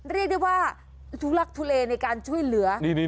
เรียกได้ว่าทุลักทุเลในการช่วยเหลือ